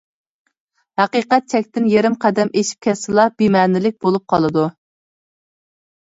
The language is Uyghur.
ھەقىقەت چەكتىن يېرىم قەدەم ئېشىپ كەتسىلا بىمەنىلىك بولۇپ قالىدۇ.